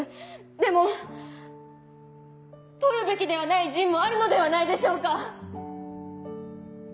でも取るべきではない陣もあるのではないでしょうか！